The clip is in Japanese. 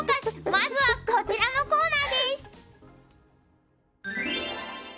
まずはこちらのコーナーです。